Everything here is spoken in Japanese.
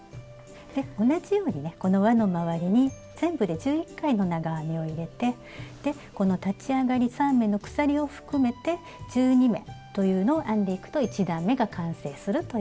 で同じようにねこのわのまわりに全部で１１回の長編みを入れてこの立ち上がり３目の鎖を含めて１２目というのを編んでいくと１段めが完成するという感じです。